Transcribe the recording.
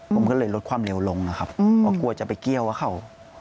ผมก็เลยลดความเร็วลงนะครับเพราะกลัวจะไปเกี้ยวกับเขา